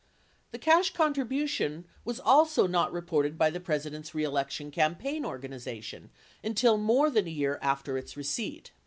The cash contribution was also not reported by the President's reelec tion campaign organization until more than a year after its receipt.